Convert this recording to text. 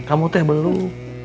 kamu teh belum